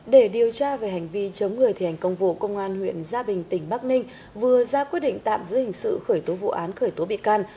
để điều tra về hành vi chống người thi hành công vụ công an huyện gia bình tỉnh bắc ninh vừa ra quyết định tạm giữ hình sự khởi tố vụ án khởi tố bị can